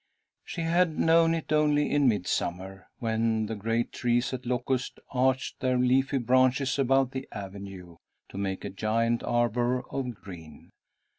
She had known it only in midsummer, when the great trees at Locust arched their leafy branches above the avenue, to make a giant arbour of green.